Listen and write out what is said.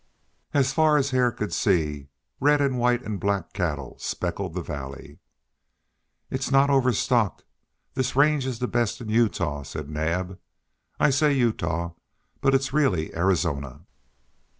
As far as Hare could see red and white and black cattle speckled the valley. "If not overstocked, this range is the best in Utah," said Naab. "I say Utah, but it's really Arizona.